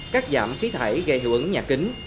các giảm khí thải gây hiệu ứng nhà kính